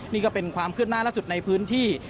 นี่ก็เป็นความเคลื่อนหน้าล่าสุดในพื้นที่